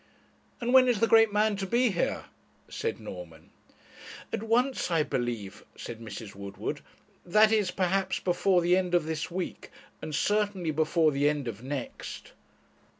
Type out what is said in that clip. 'And when is the great man to be here?' said Norman. 'At once, I believe,' said Mrs. Woodward; 'that is, perhaps, before the end of this week, and certainly before the end of next.'